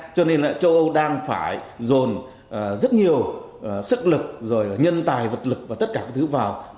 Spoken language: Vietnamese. cho nên là châu âu đang phải dồn rất nhiều sức lực rồi nhân tài vật lực và tất cả các thứ vào